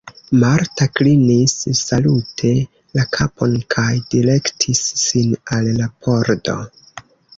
Marta klinis salute la kapon kaj direktis sin al la pordo.